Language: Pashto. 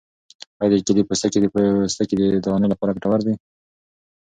آیا د کیلې پوستکی د پوستکي د دانو لپاره ګټور دی؟